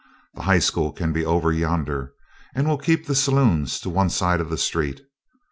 The High School can be over yonder and we'll keep the saloons to one side of the street.